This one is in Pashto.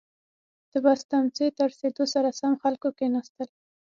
• د بس تمځي ته رسېدو سره سم، خلکو کښېناستل.